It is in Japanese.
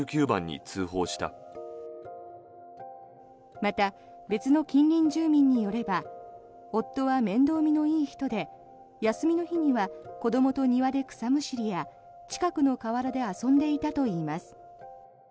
また、別の近隣住民によれば夫は面倒見のいい人で休みの日には子どもと庭で草むしりや近くの河原で遊んでいたといいます。